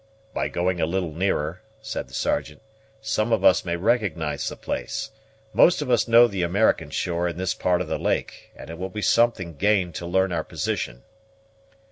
"By going a little nearer," said the Sergeant, "some of us may recognize the place. Most of us know the American shore in this part of the lake; and it will be something gained to learn our position."